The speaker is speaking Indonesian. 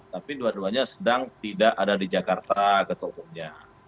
tapi dua duanya sedang tidak ada di jakarta ketumpunya